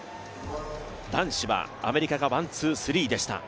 男子はアメリカがワン・ツー・スリーでした。